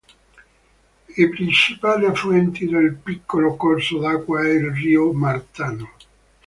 Il principale affluenti del piccolo corso d'acqua è il Rio Martano.